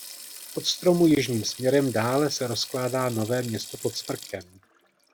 Od stromu jižním směrem dále se rozkládá Nové Město pod Smrkem.